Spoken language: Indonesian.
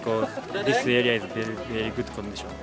kondisi ini sangat baik